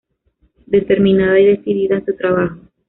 Determinada y decidida en su trabajo.